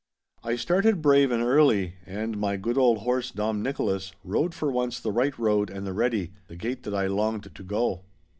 I started brave and early, and my good old horse, Dom Nicholas, rode for once the right road and the ready, the gate that I longed to go.